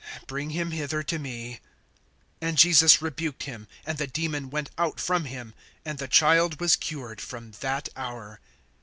Bring him hither to me. (18)And Jesus rebuked him; and the demon went out from him, and the child was cured from that hour.